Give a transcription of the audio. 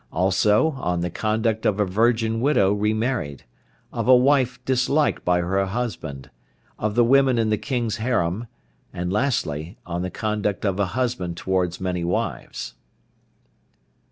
ALSO ON THE CONDUCT OF A VIRGIN WIDOW RE MARRIED; OF A WIFE DISLIKED BY HER HUSBAND; OF THE WOMEN IN THE KING'S HAREM; AND LASTLY ON THE CONDUCT OF A HUSBAND TOWARDS MANY WIVES.